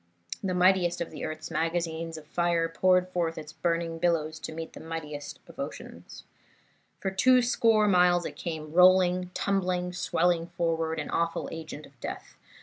The mightiest of earth's magazines of fire poured forth its burning billows to meet the mightiest of oceans. For two score miles it came rolling, tumbling, swelling forward, an awful agent of death.